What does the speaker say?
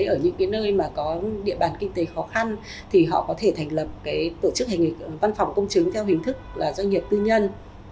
ở những nơi mà có địa bàn kinh tế khó khăn thì họ có thể thành lập tổ chức hành nghịch văn phòng công chứng theo hình thức doanh nghiệp tư nhân